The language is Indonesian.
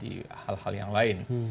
di hal hal yang lain